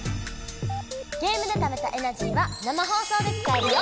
ゲームでためたエナジーは生放送で使えるよ！